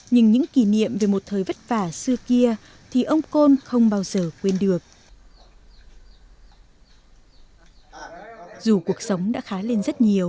nhưng những kỷ niệm về một thời vất vả xưa kia thì ông côn không bao giờ quên được